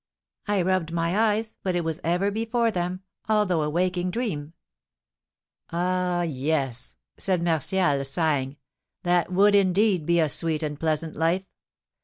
I rubbed my eyes, but it was ever before them, although a waking dream." "Ah, yes!" said Martial, sighing; "that would, indeed, be a sweet and pleasant life!